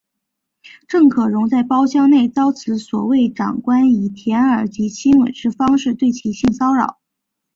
郑可荣在包厢内遭此所谓长官以舔耳及亲吻之方式对其性骚扰。